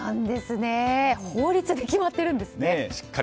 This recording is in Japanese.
法律で決まってるんですね。